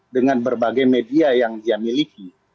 dengan berbagai media yang dia miliki